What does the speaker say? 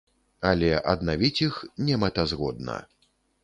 Але аднавіць іх немэтазгодна.